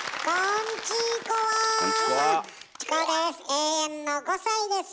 永遠の５さいです。